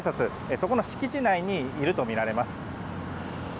そこの敷地内にいるとみられます。